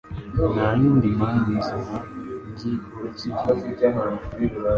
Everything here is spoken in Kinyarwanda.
ntayindi mn nzima nzi uretse ivuga